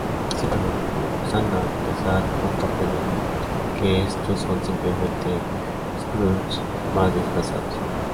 Sin embargo, Shanna y Ka-Zar pronto aprenden que estos son simplemente Skrulls más disfrazados.